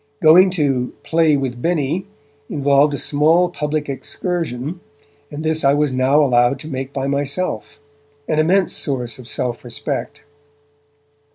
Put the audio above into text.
Going to 'play with Benny' involved a small public excursion, and this I was now allowed to make by myself an immense source of self respect.